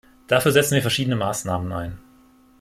Dafür setzen wir verschiedene Maßnahmen ein.